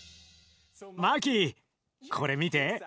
マキこれ見て。